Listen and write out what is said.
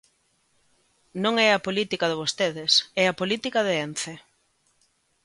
Non é a política de vostedes, é a política de Ence.